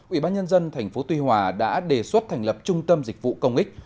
ủy ban nhân dân tp tuy hòa đã đề xuất thành lập trung tâm dịch vụ công ích